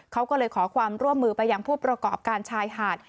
เขาก็เลยขอความร่วมมือไปยังผู้ประกอบการชายหาด